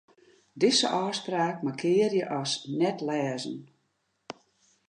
Dizze ôfspraak markearje as net-lêzen.